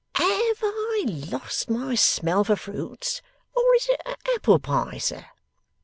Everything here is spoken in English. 'HAVE I lost my smell for fruits, or is it a apple pie, sir?